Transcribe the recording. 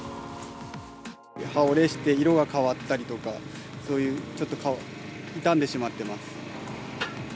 葉折れして、色が変わったりとか、そういう、ちょっと傷んでしまってます。